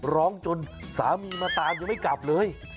ร้องจนสามีมาตามยังไม่กลับเลย